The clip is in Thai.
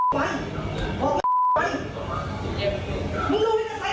สวัสดีครับคุณผู้ชาย